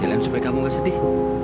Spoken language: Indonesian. jalan jalan supaya kamu gak sedih